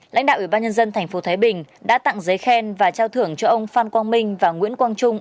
lãnh đạo ủy ban nhân dân tp thái bình đã tặng giấy khen và trao thưởng cho ông phan quang minh và nguyễn quang trung